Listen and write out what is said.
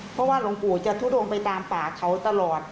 เพราะว่าหลวงปู่จะทุดงไปตามป่าเขาตลอด